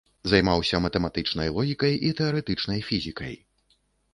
Займаўся матэматычнай логікай і тэарэтычнай фізікай.